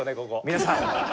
皆さん！